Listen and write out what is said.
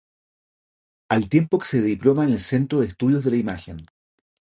Al tiempo que se diploma en el Centro de Estudios de la Imagen.